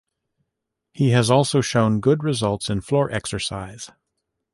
He has also shown good results in floor exercise.